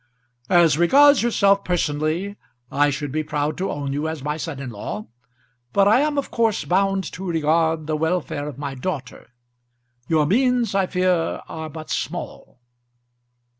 "As regards yourself personally I should be proud to own you as my son in law, but I am of course bound to regard the welfare of my daughter. Your means I fear are but small."